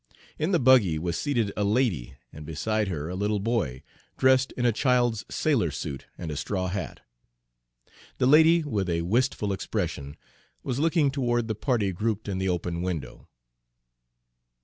In the buggy was seated a lady, and beside her a little boy, dressed in a child's sailor suit and a straw hat. The lady, with a wistful expression, was looking toward the party grouped in the open window.